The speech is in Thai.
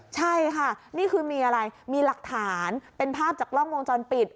ใช่ค่ะนี่คือมีอะไรมีหลักฐานเป็นภาพจากกล้องวงจรปิด